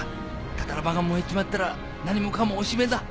タタラ場が燃えちまったら何もかもおしめぇだ。